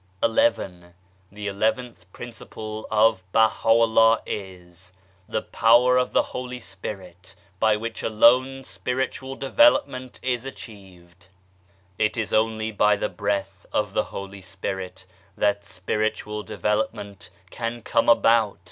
XL The eleventh principle of Baha'u'llah is : The Power of the Holy Spirit, by which alone Spiritual Development is achieved. It is only by the Breath of the Holy Spirit that spiritual development can come about.